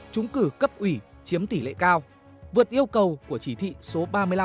chúng cử cấp ủy chiếm tỷ lệ cao vượt yêu cầu của chỉ thị số ba mươi năm